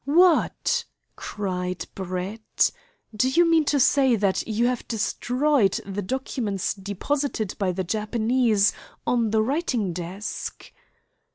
"What!" cried Brett. "Do you mean to say that you have destroyed the documents deposited by the Japanese on the writing desk?"